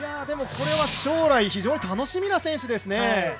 でもこれは将来非常に楽しみな選手ですね。